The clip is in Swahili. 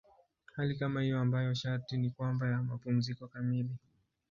Hali kama hiyo ambayo sharti ni kwamba ya mapumziko kamili.